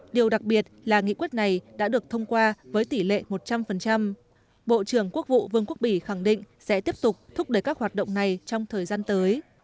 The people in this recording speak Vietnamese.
điều đặc biệt là nghị quyết này đã được thông qua với tỷ lệ một trăm linh bộ trưởng quốc vụ vương quốc bỉ khẳng định sẽ tiếp tục thúc đẩy các hoạt động này trong thời gian tới